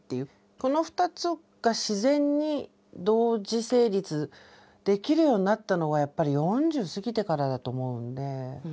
この２つが自然に同時成立できるようになったのはやっぱり４０過ぎてからだと思うんで。